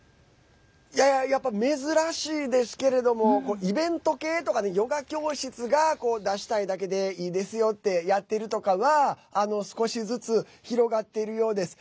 やっぱ珍しいですけれどもイベント系とかでヨガ教室が出したいだけでいいですよとかでやってるとかは少しずつ広がっているようです。